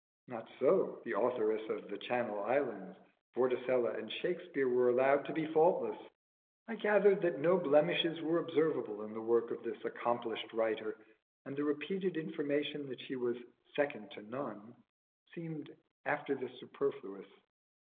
Not so the authoress of 'The Channel Islands:' Vorticella and Shakspere were allowed to be faultless. I gathered that no blemishes were observable in the work of this accomplished writer, and the repeated information that she was "second to none" seemed after this superfluous.